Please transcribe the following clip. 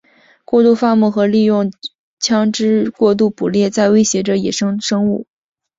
过度放牧和利用枪枝过度捕猎在威胁着野生生物。